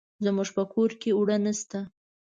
زموږ په کور کې اوړه نشته.